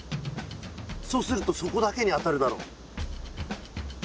そうすると底だけに当たるだろ。